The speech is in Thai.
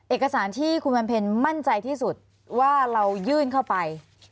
เอกสารที่คุณวันเพ็ญมั่นใจที่สุดว่าเรายื่นเข้าไป